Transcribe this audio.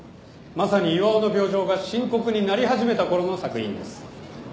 まさに巌の病状が深刻になり始めたころの作品です。